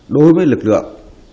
đối với lực lượng